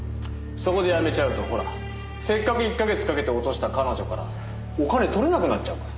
そこでやめちゃうとほらせっかく１か月かけて落とした彼女からお金取れなくなっちゃうから。